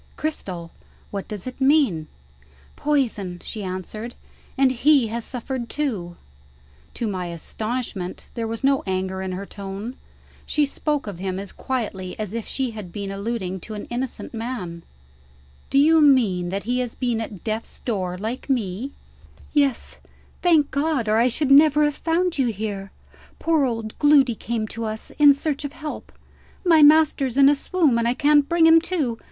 "Cristel! what does it mean?" "Poison," she answered. "And he has suffered too." To my astonishment, there was no anger in her tone: she spoke of him as quietly as if she had been alluding to an innocent man. "Do you mean that he has been at death's door, like me?" "Yes, thank God or I should never have found you here. Poor old Gloody came to us, in search of help. 'My master's in a swoon, and I can't bring him to.'